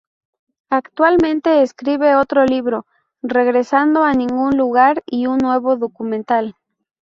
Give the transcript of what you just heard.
Actualmente escribe otro libro, Regresando a ningún lugar y un nuevo documental.